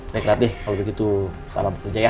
baik ratih kalau begitu selamat bekerja ya